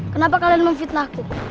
kenapa kalian memfitnahku